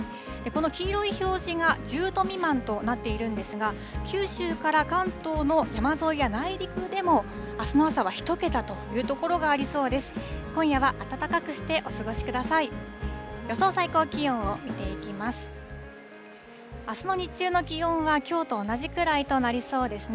この黄色い表示が１０度未満となっているんですが、九州から関東の山沿いや内陸でも、あすの朝は１桁という所がありそうです。